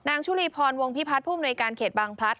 นางชุลีพรวงพิพัฒน์ภูมิหน่วยการเขตบางพลัด